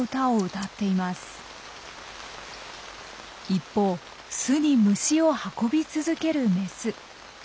一方巣に虫を運び続けるメス。